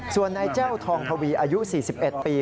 ส่วนนายแจ้วทองทวีอายุ๔๑ปี